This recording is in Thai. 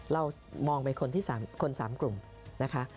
เรามองเป็นคนที่สามกลุ่มนะคะ